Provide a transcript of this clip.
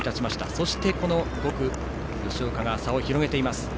そして、この５区吉岡が差を広げています。